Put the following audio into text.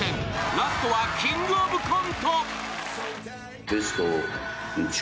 ラストは「キングオブコント」。